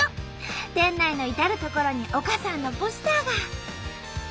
店内の至る所に丘さんのポスターが！